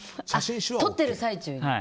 撮ってる最中？